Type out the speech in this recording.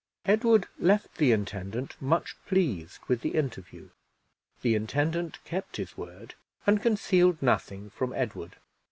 Edward left the intendant, much pleased with the interview. The intendant kept his word, and concealed nothing from Edward.